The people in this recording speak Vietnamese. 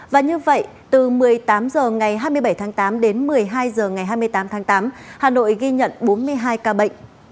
và như vậy từ một mươi tám h ngày hai mươi bảy tháng tám đến một mươi hai h ngày hai mươi tám tháng tám hà nội ghi nhận bốn mươi hai ca bệnh